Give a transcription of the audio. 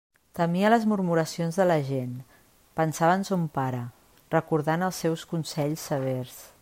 Temia les murmuracions de la gent; pensava en son pare, recordant els seus consells severs.